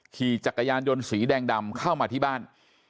ขี่จักรยานยนต์สีแดงดำเข้ามาที่บ้าน